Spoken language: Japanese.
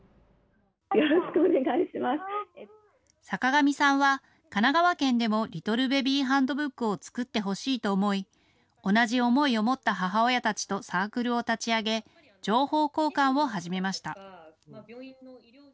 坂上さんは神奈川県でもリトルベビーハンドブックを作ってほしいと思い同じ思いを持った母親たちとサークルを立ち上げ情報交換を始めました。